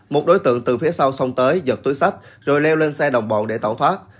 một đối tượng từ phía sau xông tới giật túi sách rồi leo lên xe đồng bọn để tẩu thoát